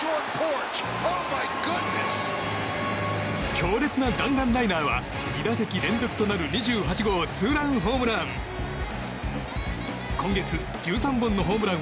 強烈な弾丸ライナーは２打席連続となる２８号ツーランホームラン！